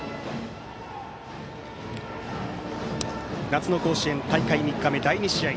夏の甲子園大会３日目の第２試合